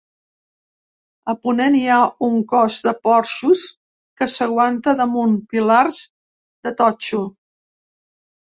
A ponent hi ha un cos de porxos, que s'aguanta damunt pilars de totxo.